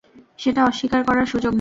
সেটা অস্বীকার করার সুযোগ নেই।